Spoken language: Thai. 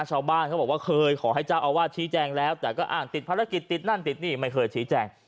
ชาวบ้านเขาบอกว่าเคยขอให้เจ้าอาวาสชี้แจงแล้วแต่ก็อ้างติดภารกิจติดนั่นติดนี่ไม่เคยชี้แจง